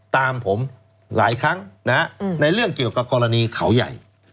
ตามผมหลายครั้งในเรื่องเกี่ยวกับกรณีเขาใหญ่